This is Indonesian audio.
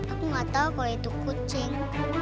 aku gak tau kalau itu kucing